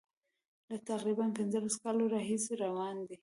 له تقریبا پنځلسو کالو راهیسي روان دي.